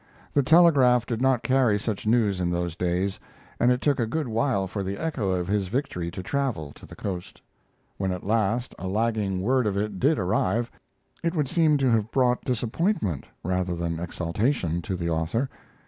The telegraph did not carry such news in those days, and it took a good while for the echo of his victory to travel to the Coast. When at last a lagging word of it did arrive, it would seem to have brought disappointment, rather than exaltation, to the author.